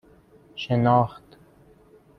شناخت